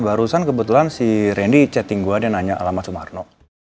barusan kebetulan si randy chatting gue dia nanya alamat sumarno